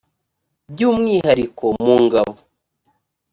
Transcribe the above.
by umwihariko mu ngabo